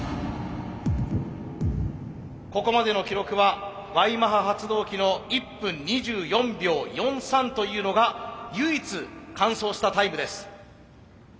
ここまでの記録はＹマハ発動機の１分２４秒４３というのが唯一完走したタイムです。